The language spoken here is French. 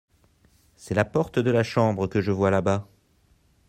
c'est la porte de la chambre que je vois là-bas.